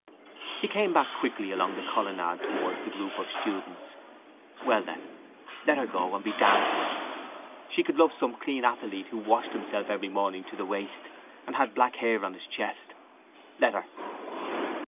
He came back quickly along the colonnade towards the group of students. Well then, let her go and be damned to her! She could love some clean athlete who washed himself every morning to the waist and had black hair on his chest. Let her.